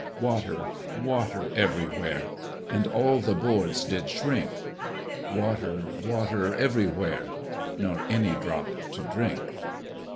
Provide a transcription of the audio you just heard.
Water, water, every where, And all the boards did shrink; Water, water, every where, Nor any drop to drink.